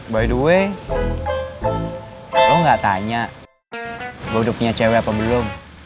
by the way aku gak tanya gue punya cewek apa belum